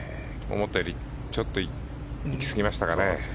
思ったよりちょっといきすぎましたかね。